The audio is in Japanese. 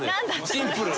シンプル。